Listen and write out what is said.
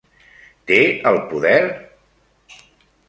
Té el poder?